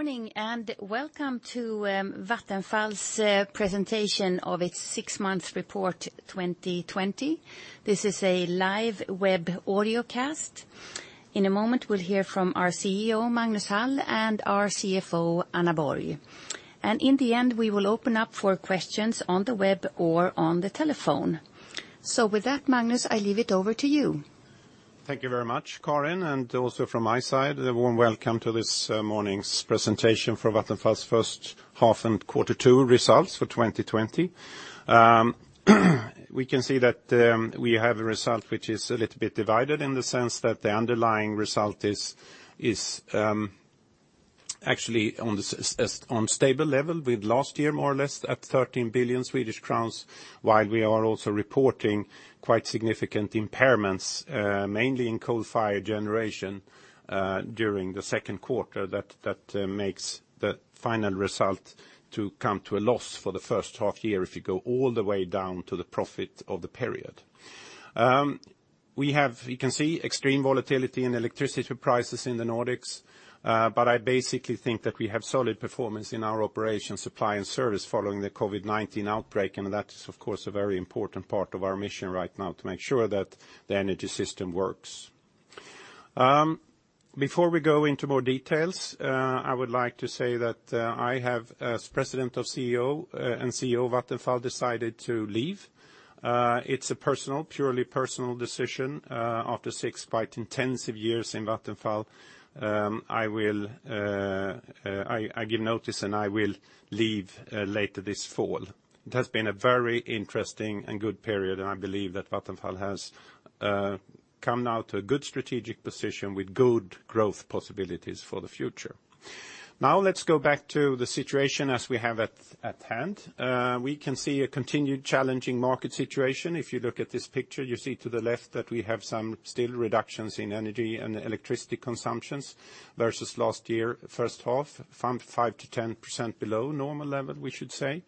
Morning, welcome to Vattenfall's presentation of its six-month report 2020. This is a live web audiocast. In a moment, we'll hear from our CEO, Magnus Hall, and our CFO, Anna Borg. In the end, we will open up for questions on the web or on the telephone. With that, Magnus, I leave it over to you. Thank you very much, Karin. Also from my side, a warm welcome to this morning's presentation for Vattenfall's first half and quarter two results for 2020. We can see that we have a result which is a little bit divided in the sense that the underlying result is actually on stable level with last year, more or less, at 13 billion Swedish crowns, while we are also reporting quite significant impairments, mainly in coal-fired generation, during the second quarter that makes the final result to come to a loss for the first half year, if you go all the way down to the profit of the period. We have, you can see, extreme volatility in electricity prices in the Nordics. I basically think that we have solid performance in our operations, supply, and service following the COVID-19 outbreak, and that is, of course, a very important part of our mission right now, to make sure that the energy system works. Before we go into more details, I would like to say that I have, as President and CEO of Vattenfall, decided to leave. It's a purely personal decision. After six quite intensive years in Vattenfall, I give notice, and I will leave later this fall. It has been a very interesting and good period, and I believe that Vattenfall has come now to a good strategic position with good growth possibilities for the future. Let's go back to the situation as we have at hand. We can see a continued challenging market situation. If you look at this picture, you see to the left that we have some still reductions in energy and electricity consumptions versus last year, first half, from 5% to 10% below normal level, we should say.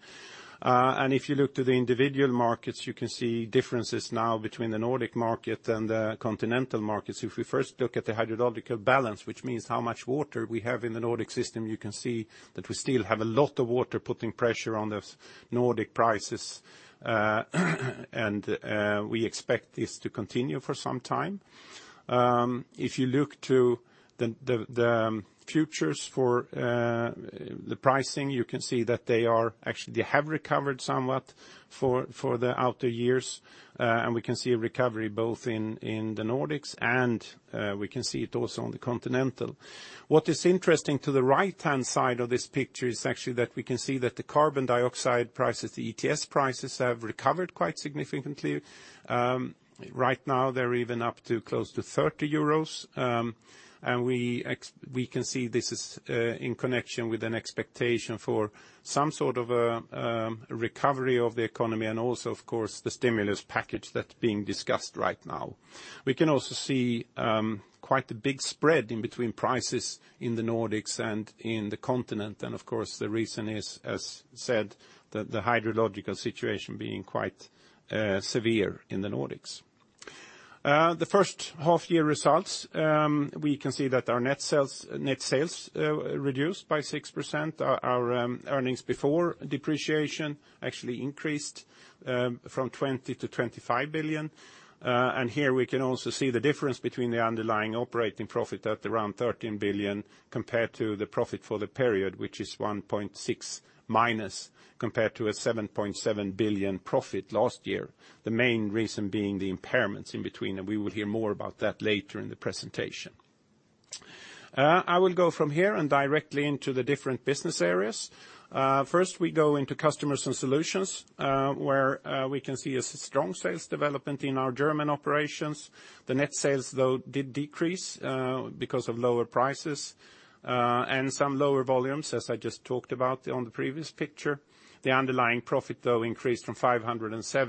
If you look to the individual markets, you can see differences now between the Nordic market and the continental markets. If we first look at the hydrological balance, which means how much water we have in the Nordic system, you can see that we still have a lot of water putting pressure on those Nordic prices. We expect this to continue for some time. If you look to the futures for the pricing, you can see that they have recovered somewhat for the outer years. We can see a recovery both in the Nordics and we can see it also on the continental. What is interesting to the right-hand side of this picture is actually that we can see that the carbon dioxide prices, the ETS prices, have recovered quite significantly. Right now, they're even up to close to 30 euros. We can see this is in connection with an expectation for some sort of a recovery of the economy and also, of course, the stimulus package that's being discussed right now. We can also see quite a big spread in between prices in the Nordics and in the continent. Of course, the reason is, as said, the hydrological situation being quite severe in the Nordics. The first half-year results, we can see that our net sales reduced by 6%. Our earnings before depreciation actually increased from 20 billion-25 billion. Here we can also see the difference between the underlying operating profit at around 13 billion compared to the profit for the period, which is minus SEK 1.6 billion, compared to a 7.7 billion profit last year. The main reason being the impairments in between. We will hear more about that later in the presentation. I will go from here and directly into the different business areas. First, we go into customers and solutions, where we can see a strong sales development in our German operations. The net sales, though, did decrease because of lower prices, and some lower volumes, as I just talked about on the previous picture. The underlying profit, though, increased from 507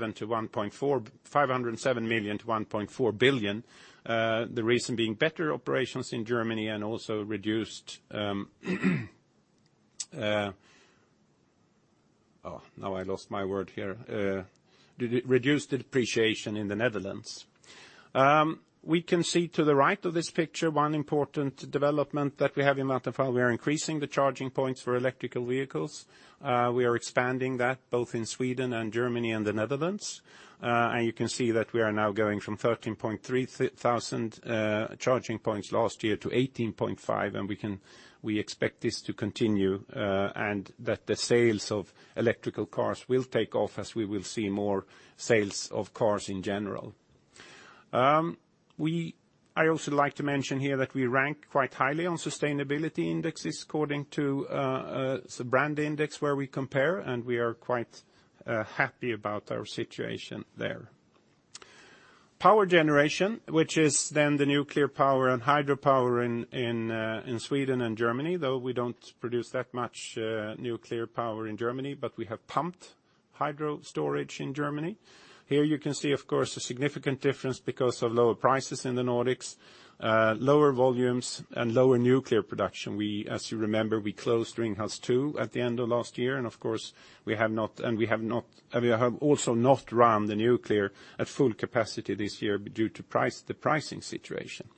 million to 1.4 billion. The reason being better operations in Germany and also reduced depreciation in the Netherlands. We can see to the right of this picture, one important development that we have in Vattenfall, we are increasing the charging points for electrical vehicles. We are expanding that both in Sweden and Germany and the Netherlands. You can see that we are now going from 13,300 charging points last year to 18,500, and we expect this to continue, and that the sales of electrical cars will take off as we will see more sales of cars in general. I also like to mention here that we rank quite highly on sustainability indexes according to, it's a brand index where we compare, and we are quite happy about our situation there. Power generation, which is then the nuclear power and hydropower in Sweden and Germany, though we don't produce that much nuclear power in Germany, but we have pumped hydro storage in Germany. Here you can see, of course, a significant difference because of lower prices in the Nordics, lower volumes, and lower nuclear production. As you remember, we closed Ringhals 2 at the end of last year, and we have also not run the nuclear at full capacity this year due to the pricing situation.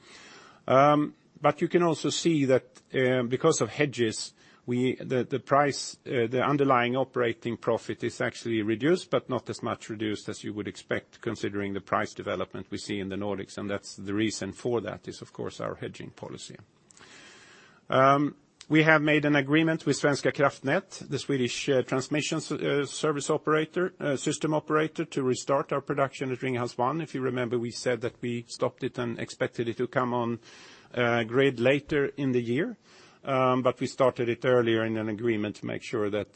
You can also see that because of hedges, the underlying operating profit is actually reduced, but not as much reduced as you would expect, considering the price development we see in the Nordics. The reason for that is, of course, our hedging policy. We have made an agreement with Svenska Kraftnät, the Swedish transmission system operator, to restart our production at Ringhals 1. If you remember, we said that we stopped it and expected it to come on grid later in the year. We started it earlier in an agreement to make sure that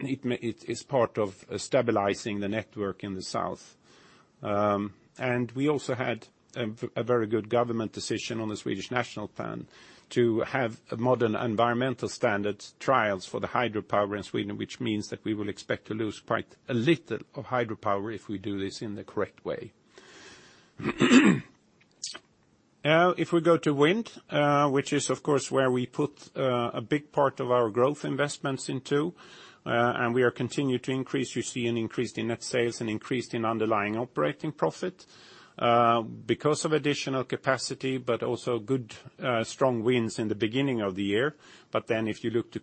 it's part of stabilizing the network in the south. We also had a very good government decision on the Swedish national plan to have modern environmental standards trials for the hydropower in Sweden, which means that we will expect to lose quite a little of hydropower if we do this in the correct way. If we go to wind, which is, of course, where we put a big part of our growth investments into, and we are continuing to increase. You see an increase in net sales and increase in underlying operating profit. Because of additional capacity, but also good, strong winds in the beginning of the year. If you look to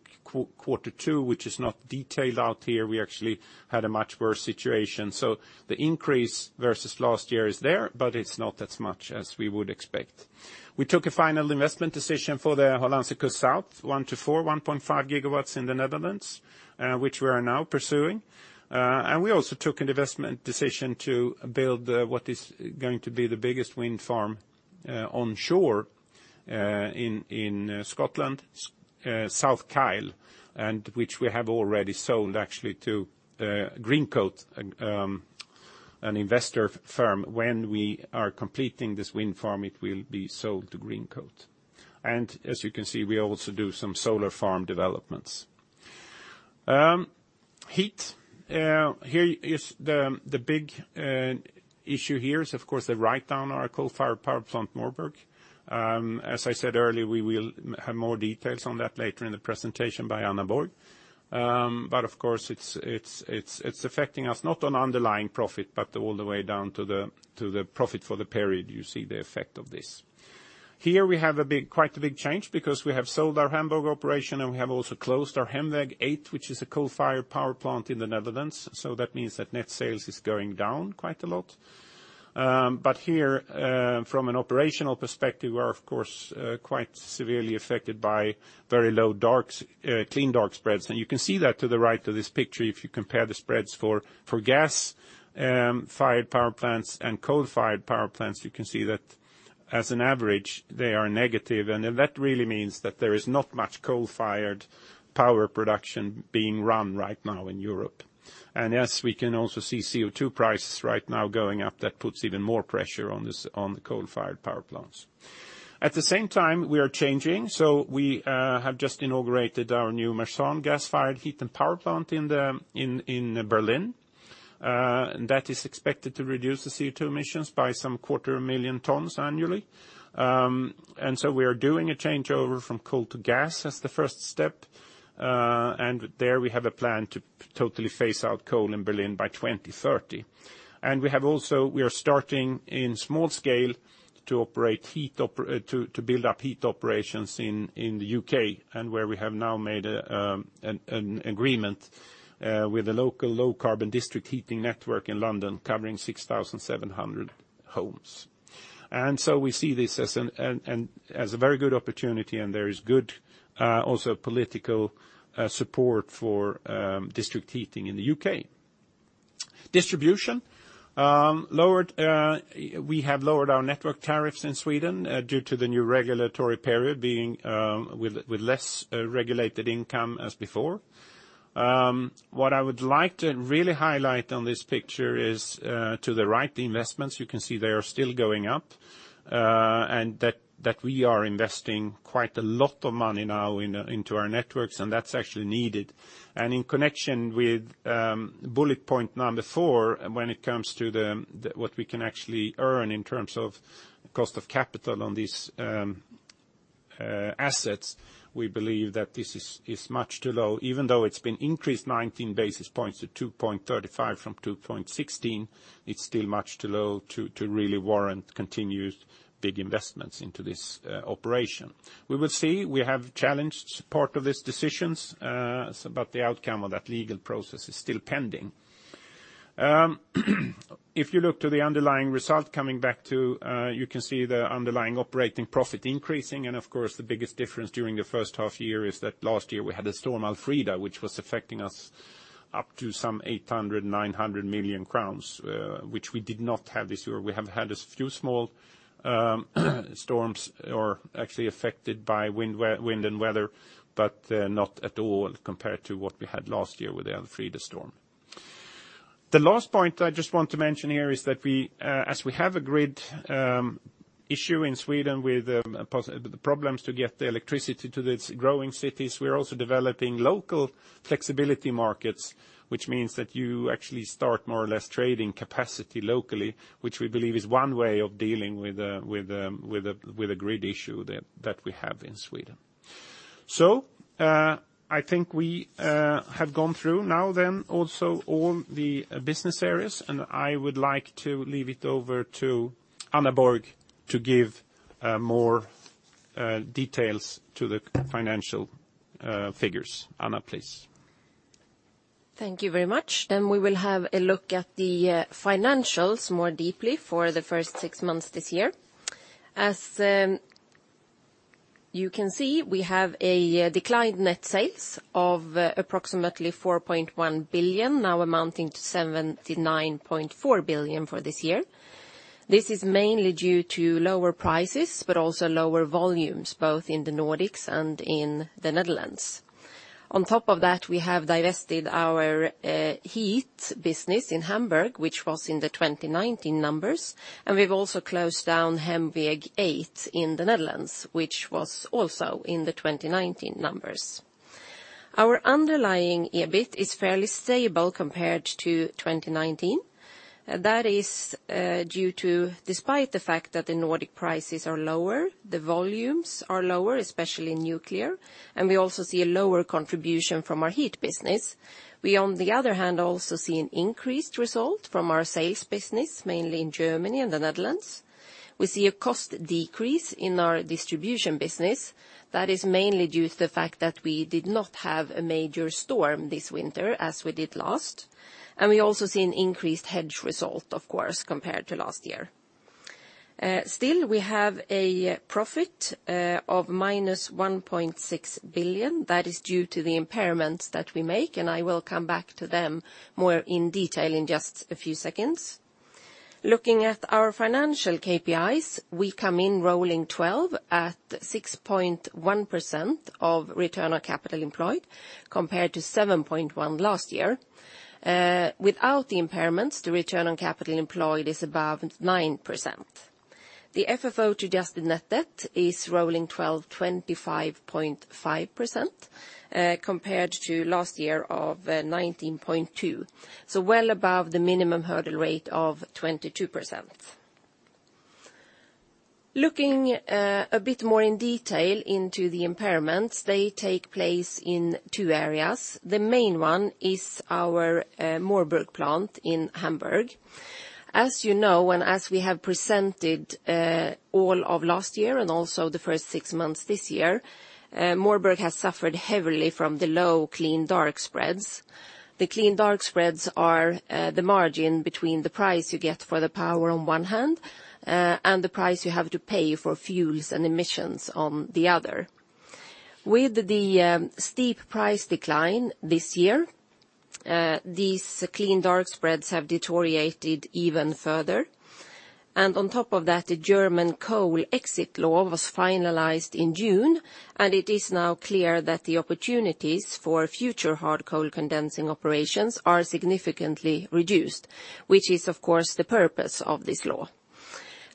quarter two, which is not detailed out here, we actually had a much worse situation. The increase versus last year is there, but it's not as much as we would expect. We took a final investment decision for the Hollandse Kust South 1-4, 1.5 GW in the Netherlands, which we are now pursuing. We also took an investment decision to build what is going to be the biggest wind farm onshore in Scotland, South Kyle, and which we have already sold actually to Greencoat, an investor firm. When we are completing this wind farm, it will be sold to Greencoat. As you can see, we also do some solar farm developments. Heat. The big issue here is, of course, the writedown on our coal-fired power plant, Moorburg. As I said earlier, we will have more details on that later in the presentation by Anna Borg. Of course, it's affecting us, not on underlying profit, but all the way down to the profit for the period, you see the effect of this. Here we have quite a big change because we have sold our Hamburg operation and we have also closed our Hemweg 8, which is a coal-fired power plant in the Netherlands. That means that net sales is going down quite a lot. Here, from an operational perspective, we are, of course, quite severely affected by very low clean dark spreads. You can see that to the right of this picture, if you compare the spreads for gas-fired power plants and coal-fired power plants, you can see that as an average, they are negative. That really means that there is not much coal-fired power production being run right now in Europe. Yes, we can also see CO2 prices right now going up. That puts even more pressure on the coal-fired power plants. At the same time, we are changing. We have just inaugurated our new Marzahn gas-fired heat and power plant in Berlin. That is expected to reduce the CO2 emissions by some quarter of a million tons annually. We are doing a changeover from coal to gas as the first step. There we have a plan to totally phase out coal in Berlin by 2030. We are starting in small scale to build up heat operations in the U.K. and where we have now made an agreement with a local low-carbon district heating network in London covering 6,700 homes. We see this as a very good opportunity and there is good also political support for district heating in the U.K. Distribution. We have lowered our network tariffs in Sweden due to the new regulatory period being with less regulated income as before. What I would like to really highlight on this picture is to the right, the investments. You can see they are still going up, and that we are investing quite a lot of money now into our networks, and that's actually needed. In connection with bullet point number four, when it comes to what we can actually earn in terms of cost of capital on these assets, we believe that this is much too low. Even though it's been increased 19 basis points to 2.35 from 2.16, it's still much too low to really warrant continued big investments into this operation. We will see. We have challenged part of these decisions, but the outcome of that legal process is still pending. If you look to the underlying result, you can see the underlying operating profit increasing. Of course, the biggest difference during the first half year is that last year we had a storm, Alfrida, which was affecting us up to some 800 million-900 million crowns, which we did not have this year. We have had a few small storms or actually affected by wind and weather, but not at all compared to what we had last year with the Alfrida storm. The last point I just want to mention here is that as we have a grid issue in Sweden with the problems to get the electricity to these growing cities, we're also developing local flexibility markets, which means that you actually start more or less trading capacity locally, which we believe is one way of dealing with the grid issue that we have in Sweden. I think we have gone through now then also all the business areas, and I would like to leave it over to Anna Borg to give more details to the financial figures. Anna, please. Thank you very much. We will have a look at the financials more deeply for the first six months this year. As you can see, we have a declined net sales of approximately 4.1 billion, now amounting to 79.4 billion for this year. This is mainly due to lower prices, also lower volumes, both in the Nordics and in the Netherlands. On top of that, we have divested our heat business in Hamburg, which was in the 2019 numbers, and we've also closed down Hemweg 8 in the Netherlands, which was also in the 2019 numbers. Our underlying EBIT is fairly stable compared to 2019. That is due to, despite the fact that the Nordic prices are lower, the volumes are lower, especially in nuclear, and we also see a lower contribution from our heat business. We, on the other hand, also see an increased result from our sales business, mainly in Germany and the Netherlands. We see a cost decrease in our distribution business. That is mainly due to the fact that we did not have a major storm this winter as we did last. We also see an increased hedge result, of course, compared to last year. Still, we have a profit of minus 1.6 billion. That is due to the impairments that we make, and I will come back to them more in detail in just a few seconds. Looking at our financial KPIs, we come in rolling 12 at 6.1% of return on capital employed, compared to 7.1% last year. Without the impairments, the return on capital employed is above 9%. The FFO to adjusted net debt is rolling 12, 25.5%, compared to last year of 19.2%. Well above the minimum hurdle rate of 22%. Looking a bit more in detail into the impairments, they take place in two areas. The main one is our Moorburg plant in Hamburg. As you know, as we have presented all of last year and also the first six months this year, Moorburg has suffered heavily from the low clean dark spreads. The clean dark spreads are the margin between the price you get for the power on one hand, and the price you have to pay for fuels and emissions on the other. With the steep price decline this year, these clean dark spreads have deteriorated even further. On top of that, the German Coal Exit Law was finalized in June, it is now clear that the opportunities for future hard coal condensing operations are significantly reduced, which is, of course, the purpose of this law.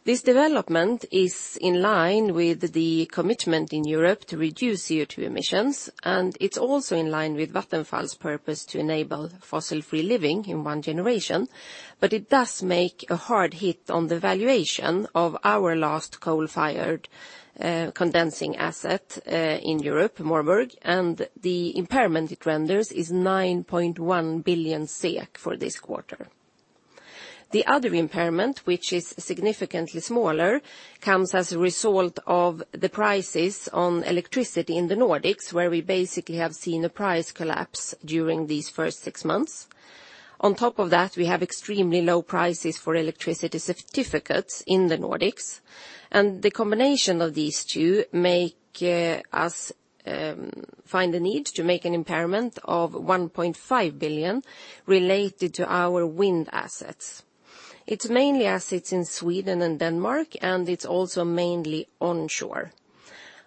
This development is in line with the commitment in Europe to reduce CO2 emissions, and it's also in line with Vattenfall's purpose to enable fossil-free living in one generation. It does make a hard hit on the valuation of our last coal-fired condensing asset in Europe, Moorburg, and the impairment it renders is 9.1 billion SEK for this quarter. The other impairment, which is significantly smaller, comes as a result of the prices on electricity in the Nordics, where we basically have seen a price collapse during these first six months. On top of that, we have extremely low prices for electricity certificates in the Nordics, and the combination of these two make us find the need to make an impairment of 1.5 billion related to our wind assets. It's mainly assets in Sweden and Denmark, and it's also mainly onshore.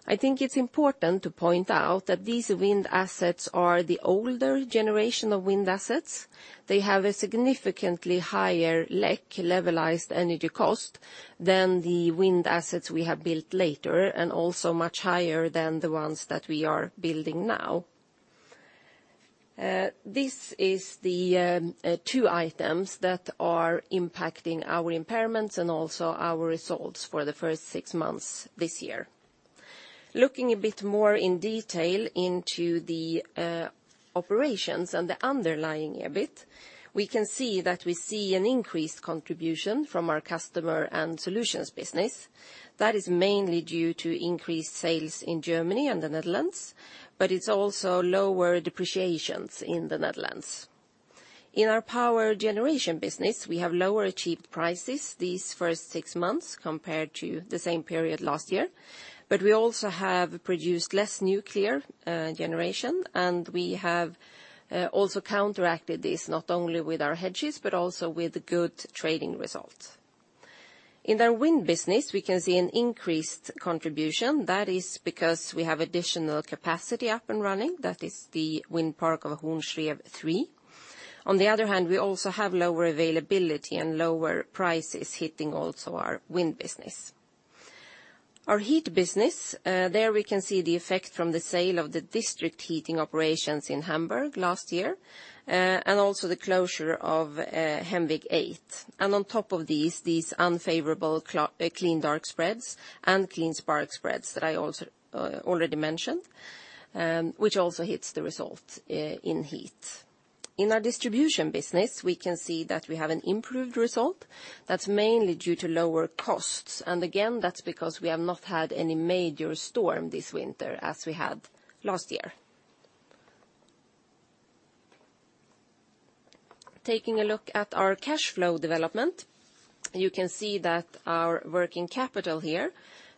I think it's important to point out that these wind assets are the older generation of wind assets. They have a significantly higher LEC, levelized energy cost, than the wind assets we have built later, and also much higher than the ones that we are building now. This is the two items that are impacting our impairments and also our results for the first six months this year. Looking a bit more in detail into the operations and the underlying EBIT, we can see that we see an increased contribution from our customer and solutions business. That is mainly due to increased sales in Germany and the Netherlands, but it's also lower depreciations in the Netherlands. In our power generation business, we have lower achieved prices these first six months compared to the same period last year, but we also have produced less nuclear generation, and we have also counteracted this not only with our hedges, but also with good trading results. In our wind business, we can see an increased contribution. That is because we have additional capacity up and running. That is the wind park of Horns Rev 3. On the other hand, we also have lower availability and lower prices hitting also our wind business. Our heat business, there we can see the effect from the sale of the district heating operations in Hamburg last year, and also the closure of Hemweg 8. On top of these unfavorable clean dark spreads and clean spark spreads that I also already mentioned, which also hits the result in heat. In our distribution business, we can see that we have an improved result that's mainly due to lower costs. Again, that's because we have not had any major storm this winter as we had last year. Taking a look at our cash flow development, you can see that our working capital here,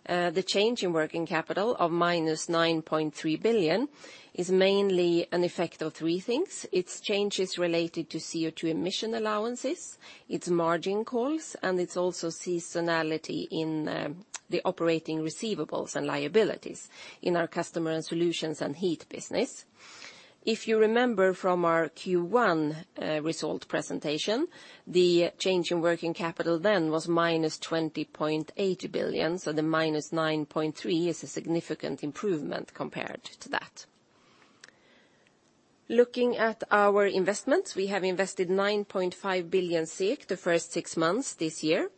the change in working capital of minus 9.3 billion, is mainly an effect of three things. It's changes related to CO2 emission allowances, it's margin calls, and it's also seasonality in the operating receivables and liabilities in our customer and solutions and heat business. If you remember from our Q1 result presentation, the change in working capital then was -20.8 billion, so the -9.3 is a significant improvement compared to that. Looking at our investments, we have invested 9.5 billion SEK the first six months this year.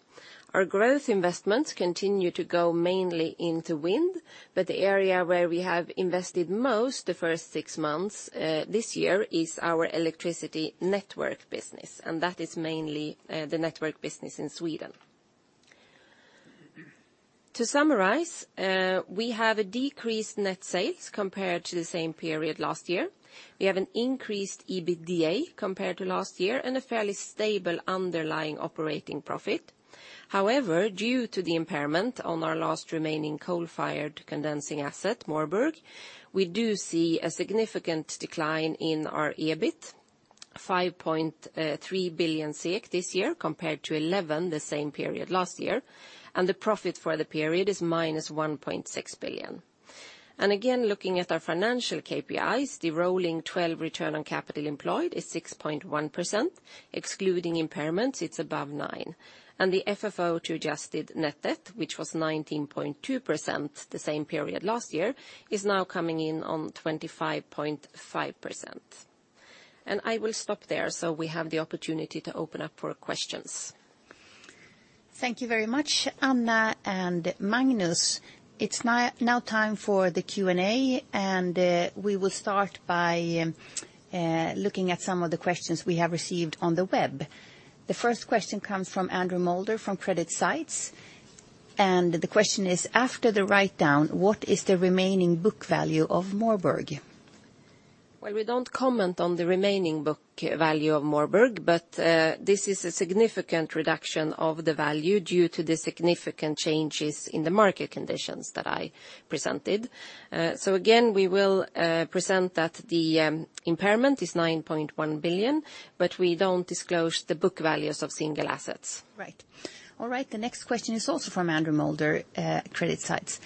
Our growth investments continue to go mainly into wind, but the area where we have invested most the first six months this year is our electricity network business, and that is mainly the network business in Sweden. To summarize, we have a decreased net sales compared to the same period last year. We have an increased EBITDA compared to last year and a fairly stable underlying operating profit. However, due to the impairment on our last remaining coal-fired condensing asset, Moorburg, we do see a significant decline in our EBIT, 5.3 billion SEK this year compared to 11 billion the same period last year, and the profit for the period is minus 1.6 billion. Again, looking at our financial KPIs, the rolling 12 return on capital employed is 6.1%, excluding impairments, it's above nine. The FFO to adjusted net debt, which was 19.2% the same period last year, is now coming in on 25.5%. I will stop there so we have the opportunity to open up for questions. Thank you very much, Anna and Magnus. It's now time for the Q&A. We will start by looking at some of the questions we have received on the web. The first question comes from Andrew Moulder from CreditSights, and the question is: after the writedown, what is the remaining book value of Moorburg? Well, we don't comment on the remaining book value of Moorburg, but this is a significant reduction of the value due to the significant changes in the market conditions that I presented. Again, we will present that the impairment is 9.1 billion, but we don't disclose the book values of single assets. Right. All right. The next question is also from Andrew Moulder, CreditSights.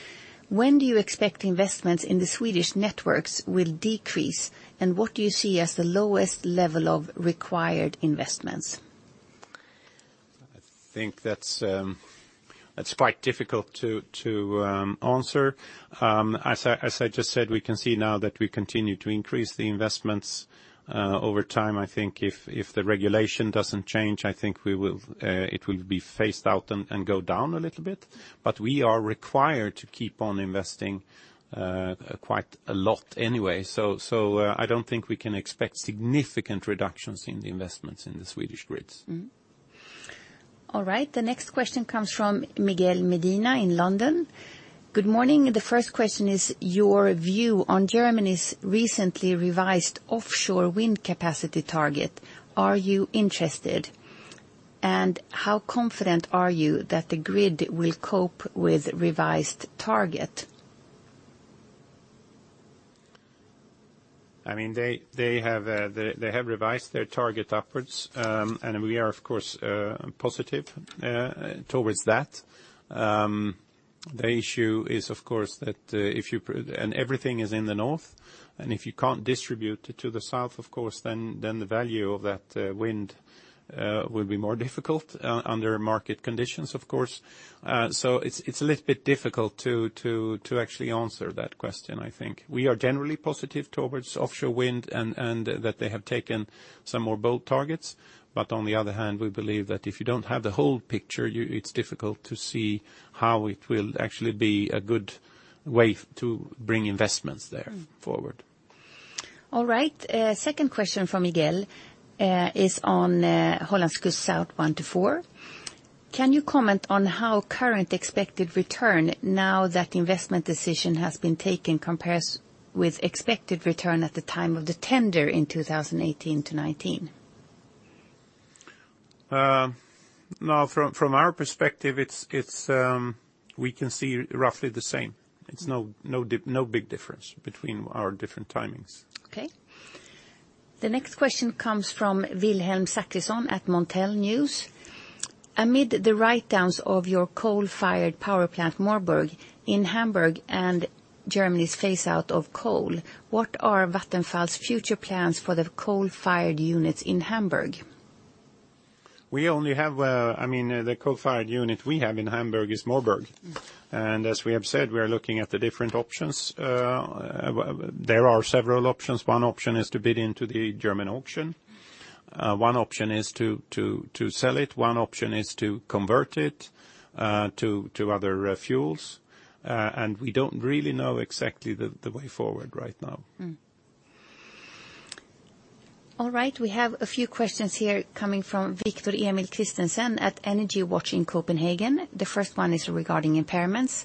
When do you expect investments in the Swedish networks will decrease, and what do you see as the lowest level of required investments? I think that's quite difficult to answer. As I just said, we can see now that we continue to increase the investments over time. I think if the regulation doesn't change, I think it will be phased out and go down a little bit, but we are required to keep on investing quite a lot anyway. I don't think we can expect significant reductions in the investments in the Swedish grids. Mm-hmm. All right. The next question comes from Miguel Medina in London. Good morning. The first question is your view on Germany's recently revised offshore wind capacity target. Are you interested? How confident are you that the grid will cope with revised target? They have revised their target upwards, and we are, of course, positive towards that. The issue is, of course, that everything is in the north, and if you can't distribute it to the south, of course, then the value of that wind will be more difficult under market conditions, of course. It's a little bit difficult to actually answer that question, I think. We are generally positive towards offshore wind and that they have taken some more bold targets. On the other hand, we believe that if you don't have the whole picture, it's difficult to see how it will actually be a good way to bring investments there forward. All right. Second question from Miguel is on Hollandse Kust South 1 to 4. Can you comment on how current expected return, now that the investment decision has been taken, compares with expected return at the time of the tender in 2018 to 2019? From our perspective, we can see roughly the same. It's no big difference between our different timings. Okay. The next question comes from Wilhelm Saxisson at Montel News. Amid the writedowns of your coal-fired power plant, Moorburg, in Hamburg and Germany's phase-out of coal, what are Vattenfall's future plans for the coal-fired units in Hamburg? The coal-fired unit we have in Hamburg is Moorburg, and as we have said, we are looking at the different options. There are several options. One option is to bid into the German auction. One option is to sell it. One option is to convert it to other fuels. We don't really know exactly the way forward right now. All right. We have a few questions here coming from Viktor Emil Christensen at EnergyWatch in Copenhagen. The first one is regarding impairments.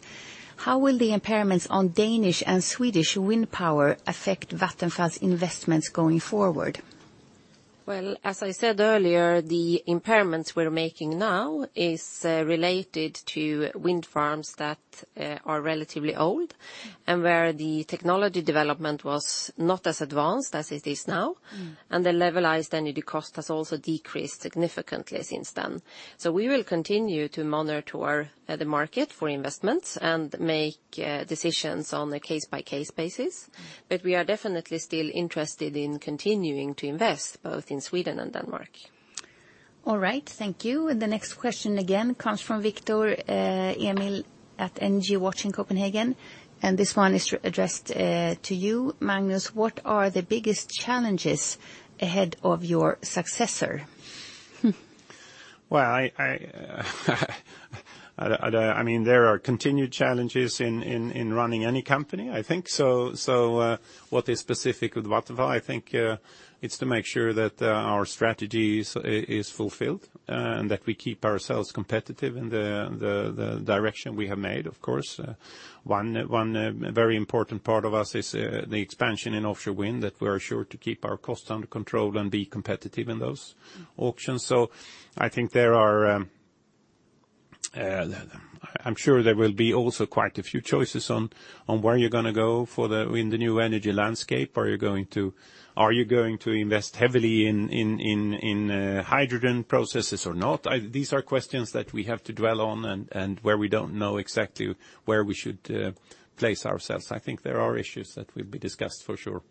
How will the impairments on Danish and Swedish wind power affect Vattenfall's investments going forward? Well, as I said earlier, the impairments we're making now is related to wind farms that are relatively old and where the technology development was not as advanced as it is now, and the levelized energy cost has also decreased significantly since then. We will continue to monitor the market for investments and make decisions on a case-by-case basis. We are definitely still interested in continuing to invest, both in Sweden and Denmark. All right. Thank you. The next question, again, comes from Viktor Emil at EnergyWatch in Copenhagen, and this one is addressed to you, Magnus. What are the biggest challenges ahead of your successor? There are continued challenges in running any company, I think. What is specific with Vattenfall, I think, it's to make sure that our strategy is fulfilled and that we keep ourselves competitive in the direction we have made, of course. One very important part of us is the expansion in offshore wind, that we're sure to keep our costs under control and be competitive in those auctions. I'm sure there will be also quite a few choices on where you're going to go in the new energy landscape. Are you going to invest heavily in hydrogen processes or not? These are questions that we have to dwell on and where we don't know exactly where we should place ourselves. I think there are issues that will be discussed, for sure.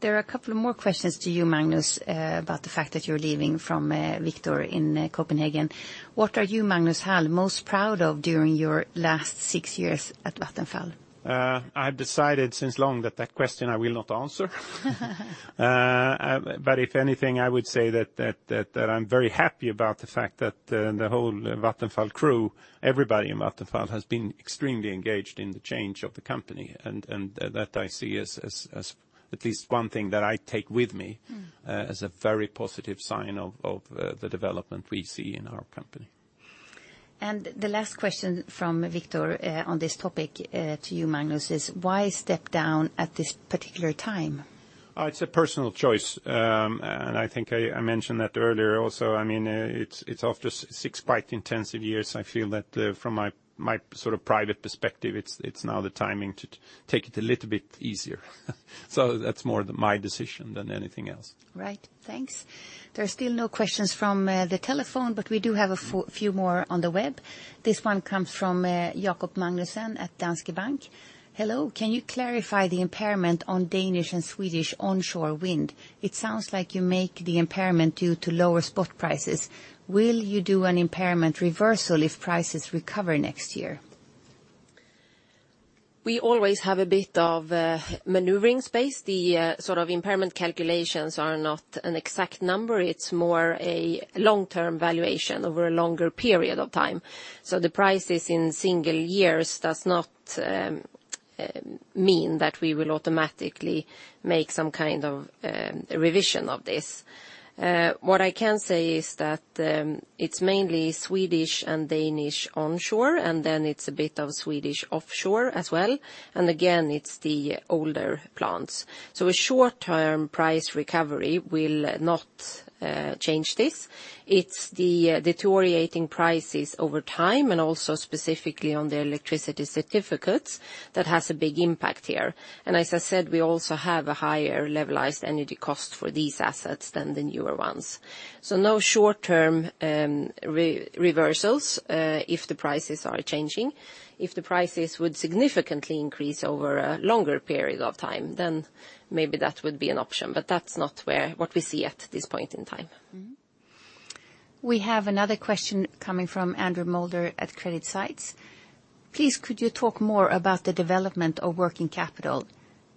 There are a couple more questions to you, Magnus, about the fact that you're leaving, from Viktor in Copenhagen. What are you, Magnus Hall, most proud of during your last six years at Vattenfall? I've decided since long that that question I will not answer. If anything, I would say that I'm very happy about the fact that the whole Vattenfall crew, everybody in Vattenfall, has been extremely engaged in the change of the company, and that I see as at least one thing that I take with me as a very positive sign of the development we see in our company. The last question from Viktor on this topic to you, Magnus, is why step down at this particular time? It's a personal choice, and I think I mentioned that earlier also. It's after six quite intensive years. I feel that from my private perspective, it's now the timing to take it a little bit easier. That's more my decision than anything else. Right. Thanks. There are still no questions from the telephone, but we do have a few more on the web. This one comes from Jakob Magnussen at Danske Bank. Hello. Can you clarify the impairment on Danish and Swedish onshore wind? It sounds like you make the impairment due to lower spot prices. Will you do an impairment reversal if prices recover next year? We always have a bit of maneuvering space. The impairment calculations are not an exact number. It's more a long-term valuation over a longer period of time. The prices in single years does not mean that we will automatically make some kind of revision of this. What I can say is that it's mainly Swedish and Danish onshore, and then it's a bit of Swedish offshore as well. Again, it's the older plants. A short-term price recovery will not change this. It's the deteriorating prices over time and also specifically on the electricity certificates that has a big impact here. As I said, we also have a higher levelized energy cost for these assets than the newer ones. No short-term reversals if the prices are changing. If the prices would significantly increase over a longer period of time, then maybe that would be an option. That's not what we see at this point in time. We have another question coming from Andrew Moulder at CreditSights. Please could you talk more about the development of working capital?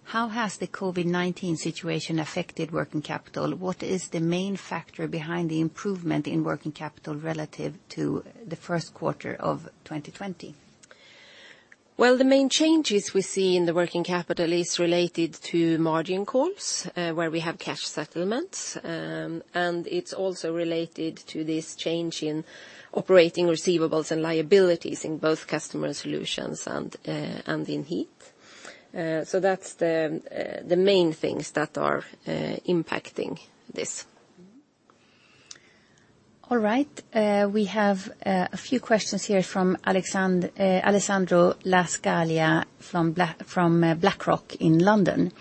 How has the COVID-19 situation affected working capital? What is the main factor behind the improvement in working capital relative to the first quarter of 2020? Well, the main changes we see in the working capital is related to margin calls, where we have cash settlements, and it's also related to this change in operating receivables and liabilities in both customer solutions and in heat. That's the main things that are impacting this. All right. We have a few questions here from Alessandro La Scalia from BlackRock in London.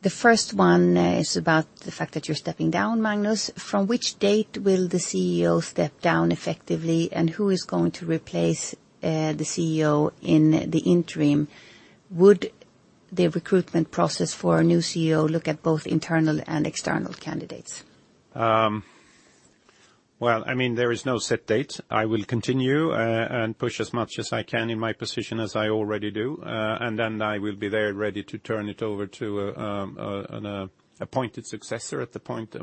The first one is about the fact that you're stepping down, Magnus. From which date will the CEO step down effectively, and who is going to replace the CEO in the interim? Would the recruitment process for a new CEO look at both internal and external candidates? Well, there is no set date. I will continue and push as much as I can in my position as I already do, and then I will be there ready to turn it over to an appointed successor at the point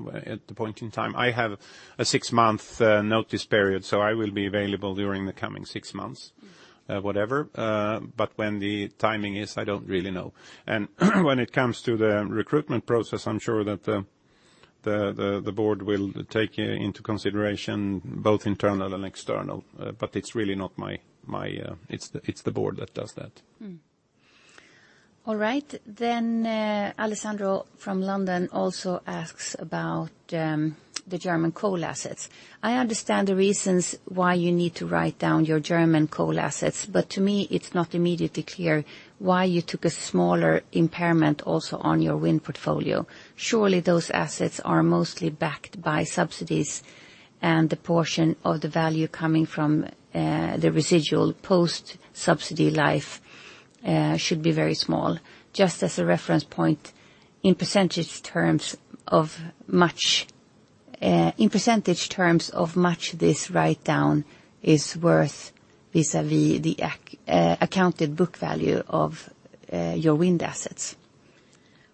in time. I have a six-month notice period, so I will be available during the coming six months, whatever. When the timing is, I don't really know. When it comes to the recruitment process, I'm sure that the board will take into consideration both internal and external, but it's the board that does that. All right. Alessandro from London also asks about the German coal assets. I understand the reasons why you need to write down your German coal assets, to me, it's not immediately clear why you took a smaller impairment also on your wind portfolio. Surely those assets are mostly backed by subsidies, the portion of the value coming from the residual post-subsidy life should be very small. Just as a reference point, in percentage terms of much this write-down is worth vis-a-vis the accounted book value of your wind assets.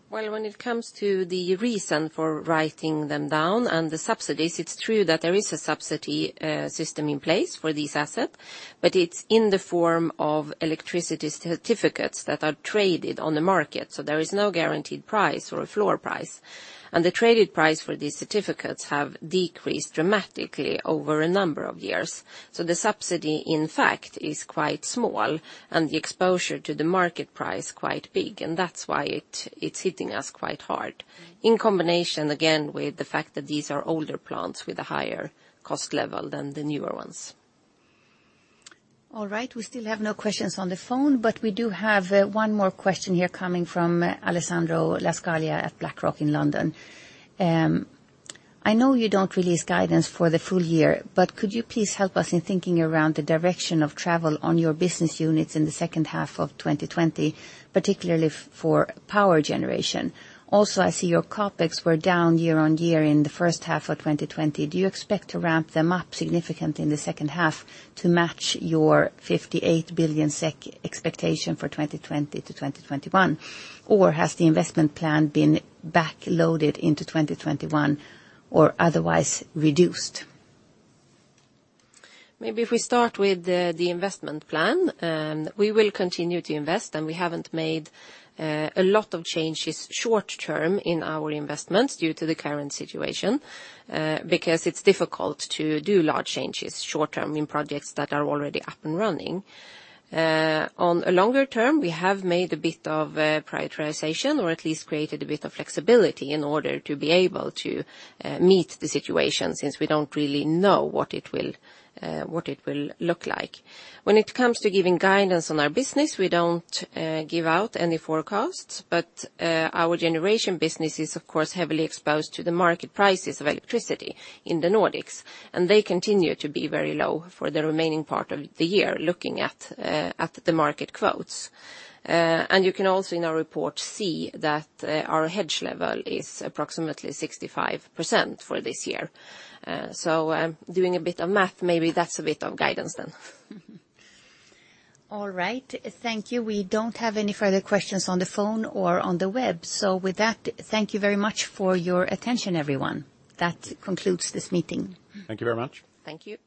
Well, when it comes to the reason for writing them down and the subsidies, it's true that there is a subsidy system in place for this asset, but it's in the form of electricity certificates that are traded on the market. There is no guaranteed price or a floor price. The traded price for these certificates have decreased dramatically over a number of years. The subsidy, in fact, is quite small and the exposure to the market price quite big, and that's why it's hitting us quite hard. In combination, again, with the fact that these are older plants with a higher cost level than the newer ones. All right. We still have no questions on the phone, but we do have one more question here coming from Alessandro La Scalia at BlackRock in London. I know you don't release guidance for the full year, but could you please help us in thinking around the direction of travel on your business units in the second half of 2020, particularly for power generation? I see your CapEx were down year-on-year in the first half of 2020. Do you expect to ramp them up significantly in the second half to match your 58 billion SEK expectation for 2020 to 2021? Has the investment plan been back-loaded into 2021 or otherwise reduced? Maybe if we start with the investment plan, we will continue to invest, and we haven't made a lot of changes short-term in our investments due to the current situation, because it's difficult to do large changes short-term in projects that are already up and running. On a longer term, we have made a bit of prioritization or at least created a bit of flexibility in order to be able to meet the situation, since we don't really know what it will look like. When it comes to giving guidance on our business, we don't give out any forecasts, but our generation business is, of course, heavily exposed to the market prices of electricity in the Nordics, and they continue to be very low for the remaining part of the year, looking at the market quotes. You can also, in our report, see that our hedge level is approximately 65% for this year. Doing a bit of math, maybe that's a bit of guidance then. All right. Thank you. We don't have any further questions on the phone or on the web. With that, thank you very much for your attention, everyone. That concludes this meeting. Thank you very much. Thank you.